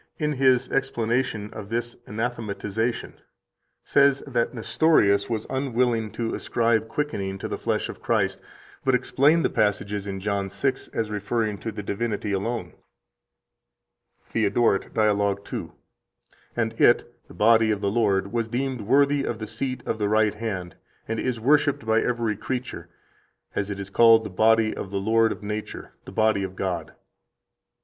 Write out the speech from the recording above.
4, p. 85), in his explanation of this anathematization, says that Nestorius was unwilling to ascribe quickening to the flesh of Christ, but explained the passages in John 6 as referring to the divinity alone." 94 THEODORET, Dialog 2: "And it (the body of the Lord) was deemed worthy of the seat of the right hand, and is worshiped by every creature, as it is called the body of the Lord of Nature [the body of God]."